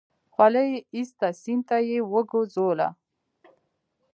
خولۍ يې ايسته سيند ته يې وگوزوله.